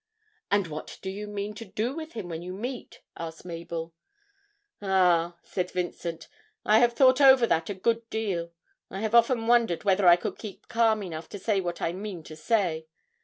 'And what do you mean to do with him when you meet?' asked Mabel. 'Ah,' said Vincent, 'I have thought over that a good deal. I have often wondered whether I could keep calm enough to say what I mean to say.